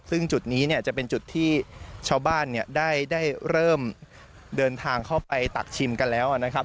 ซึ่งจุดนี้เนี่ยจะเป็นจุดที่ชาวบ้านเนี่ยได้เริ่มเดินทางเข้าไปตักชิมกันแล้วนะครับ